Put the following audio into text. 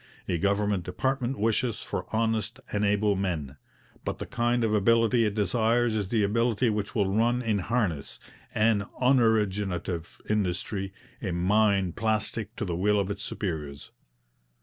A government department wishes for honest and able men; but the kind of ability it desires is the ability which will run in harness, an unoriginative industry, a mind plastic to the will of its superiors.